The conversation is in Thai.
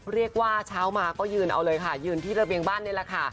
เช้ามาก็ยืนเอาเลยค่ะยืนที่ระเบียงบ้านนี่แหละค่ะ